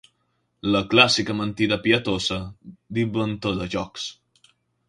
La clàssica mentida pietosa d'inventor de jocs.